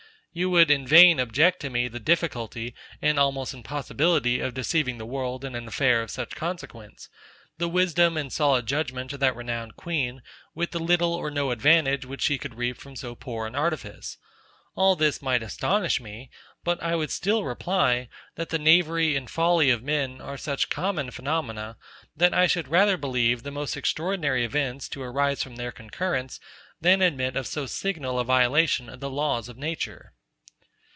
You would in vain object to me the difficulty, and almost impossibility of deceiving the world in an affair of such consequence; the wisdom and solid judgement of that renowned queen; with the little or no advantage which she could reap from so poor an artifice: All this might astonish me; but I would still reply, that the knavery and folly of men are such common phenomena, that I should rather believe the most extraordinary events to arise from their concurrence, than admit of so signal a violation of the laws of nature.